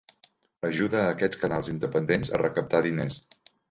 Ajuda a aquests canals independents a recaptar diners.